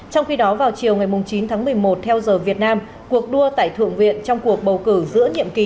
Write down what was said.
trong khi đó vào chiều chín tháng một mươi một theo giờ việt nam cuộc đua tại thượng viện trong cuộc bầu cử giữa nhiệm kỳ